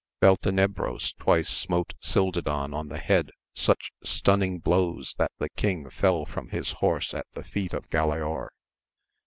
Beltenebros twice smote Cildadan on the head such stunning blows that the king fell from his horse at the feet of Galaor.